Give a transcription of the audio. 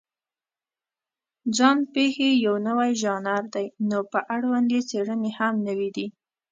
ځان پېښې یو نوی ژانر دی، نو په اړوند یې څېړنې هم نوې دي.